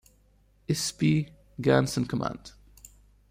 S. P. Gantz in command.